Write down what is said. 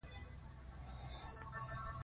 د دې اوبه زموږ وینه ده؟